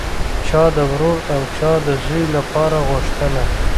چا د ورور او چا د زوی لپاره غوښتله